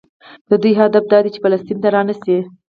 د دوی هدف دا دی چې فلسطین ته رانشي.